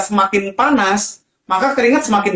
semakin panas maka keringat semakin